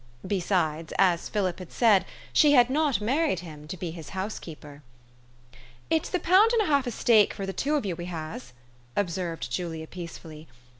Besides, as Philip had said, she had not married him to be his housekeeper. 4 'It's the pound and half of steak for the two of you we has," observed Julia peacefully.